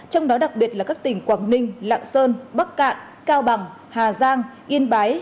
trong đó đặc biệt là các tỉnh quảng ninh lạng sơn bắc cạn cao bằng hà giang yên bái